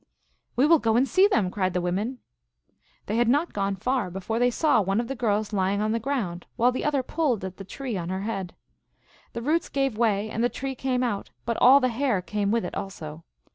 " We will go and see them !" cried the women. They had not gone far before they saw one of the girls lying on the ground, while the other pulled at the tree on her head. The roots gave way and the tree came out, but all the hair came with it also.